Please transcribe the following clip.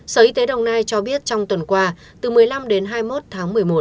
sở y tế đồng nai cho biết trong tuần qua từ một mươi năm đến hai mươi một tháng một mươi một